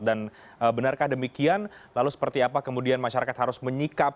dan benarkah demikian lalu seperti apa kemudian masyarakat harus menyikap dengan hal ini